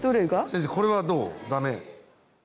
先生これはどう？ダメ？